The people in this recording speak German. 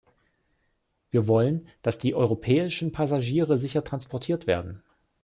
Wir wollen, dass die europäischen Passagiere sicher transportiert werden.